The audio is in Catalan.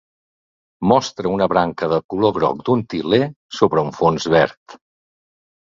Mostra una branca de color groc d'un til·ler sobre un fons verd.